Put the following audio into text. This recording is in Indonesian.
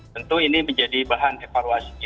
tentu ini menjadi bahan evaluasi